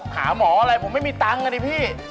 หาหมออะไรผมไม่มีตังค์อ่ะดิพี่